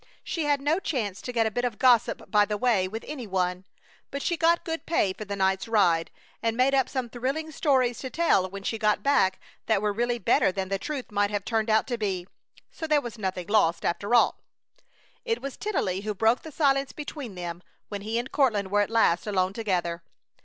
She had no chance to get a bit of gossip by the way with any one, but she got good pay for the night's ride, and made up some thrilling stories to tell when she got back that were really better than the truth might have turned out to be, so there was nothing lost, after all. It was Tennelly who broke the silence between them when he and Courtland were at last alone together.